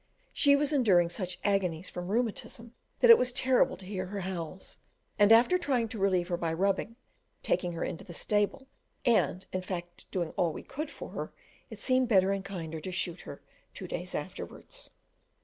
She was enduring such agonies from rheumatism that it was terrible to hear her howls; and after trying to relieve her by rubbing, taking her into the stable and in fact doing all we could for her it seemed better and kinder to shoot her two days afterwards.